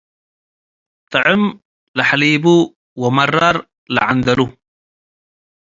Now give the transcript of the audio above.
ጥዕም ለሐሊቡ ወመራር ለዐንደሉ